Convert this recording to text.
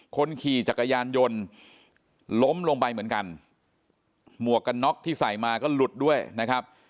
คนขี่จักรยานยนต์ล้มลงไปเหมือนกันหมวกกันน็อกที่ใส่มาก็หลุดด้วยนะครับ